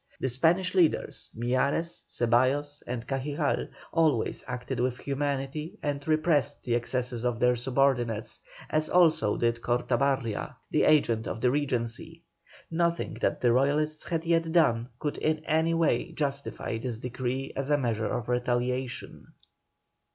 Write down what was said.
The Spanish leaders, Miyares, Ceballos and Cajigal, always acted with humanity and repressed the excesses of their subordinates, as also did Cortabarria, the agent of the Regency. Nothing that the Royalists had yet done could in any way justify this decree as a measure of retaliation.